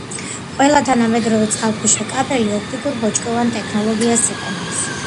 ყველა თანამედროვე წყალქვეშა კაბელი ოპტიკურ-ბოჭკოვან ტექნოლოგიას იყენებს.